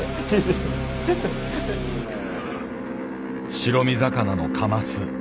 白身魚のカマス。